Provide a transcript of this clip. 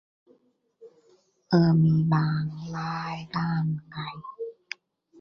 তার মতে তার পিতামহ খান-বাহাদুর আবদুল আজিজ নামে একজন শিক্ষাবিদ কাজী নজরুল ইসলাম এর সাথে ঘনিষ্ঠ সম্পর্ক ছিলো।